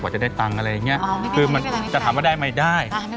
หัวจะได้ตังค์อะไรอย่างเงี้ยคือจะถามว่าได้มั้ยได้